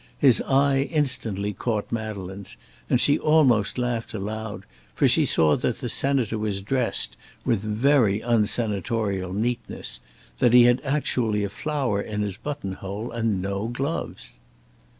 His eye instantly caught Madeleine's, and she almost laughed aloud, for she saw that the Senator was dressed with very unsenatorial neatness; that he had actually a flower in his burton hole and no gloves!